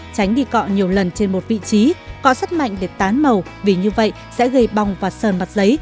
tránh đi cọ nhiều lần trên một vị trí cọ sắt mạnh để tán màu vì như vậy sẽ gây bong và sờn mặt giấy